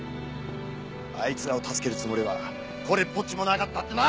あいつらを助けるつもりはこれっぽっちもなかったってな！